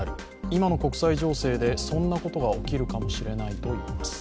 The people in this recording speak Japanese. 今の国際情勢でそんなことが起きるかもしれないといいます。